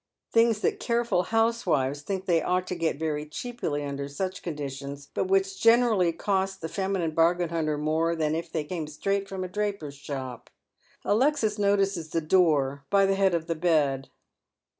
Things that careful housewives think they ought to get veiy cheaply under such conditions, but \vhich Alexis Invesh^atef. 347 generally cost the feminine bargain hunter more than if they came straight from a draper's shop. Alexis notices the door by the head of the bed.